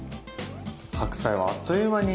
白菜はあっという間に。